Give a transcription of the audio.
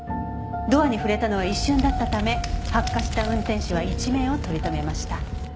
ドアに触れたのは一瞬だったため発火した運転手は一命を取り留めました。